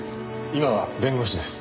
今は弁護士です。